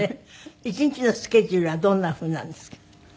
１日のスケジュールはどんなふうなんですか？